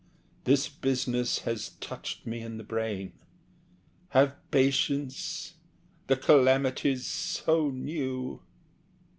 This business has touched me in the brain. Have patience! the calamity's so new. (Pauses.)